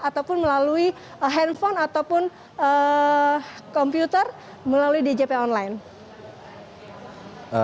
ataupun melalui handphone ataupun komputer melalui djp online